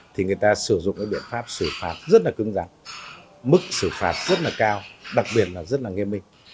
thì người ta sử dụng cái biện pháp xử phạt rất là cứng rắn mức xử phạt rất là cao đặc biệt là rất là nghiêm minh